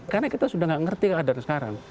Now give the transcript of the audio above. karena kita sudah gak ngerti keadalan sekarang